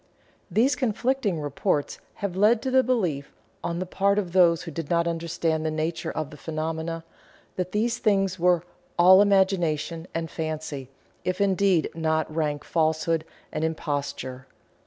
These conflicting reports have led to the belief, on the part of those who did not understand the nature of the phenomena, that these things were "all imagination" and fancy, if indeed not rank falsehood and imposture.